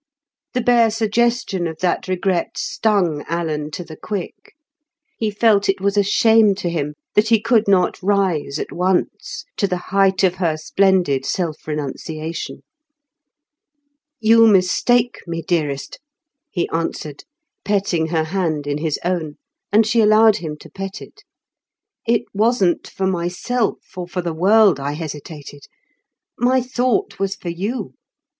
The bare suggestion of that regret stung Alan to the quick. He felt it was shame to him that he could not rise at once to the height of her splendid self renunciation. "You mistake me, dearest," he answered, petting her hand in his own (and she allowed him to pet it). "It wasn't for myself, or for the world I hesitated. My thought was for you.